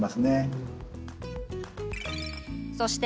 そして。